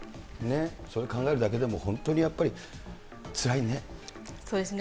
それを考えるだけでも、本当にやっぱりつらいね。